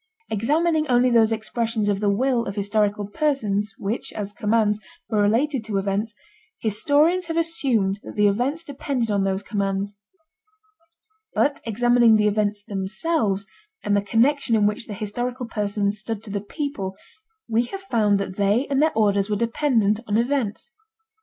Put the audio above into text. Examining only those expressions of the will of historical persons which, as commands, were related to events, historians have assumed that the events depended on those commands. But examining the events themselves and the connection in which the historical persons stood to the people, we have found that they and their orders were dependent on events.